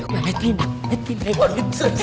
mbak be pindah